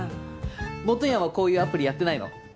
もとやんはこういうアプリやってないの？